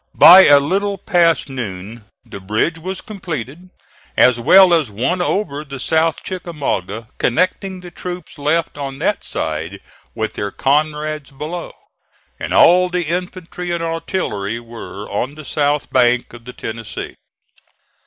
By a little past noon the bridge was completed, as well as one over the South Chickamauga connecting the troops left on that side with their comrades below, and all the infantry and artillery were on the south bank of the Tennessee.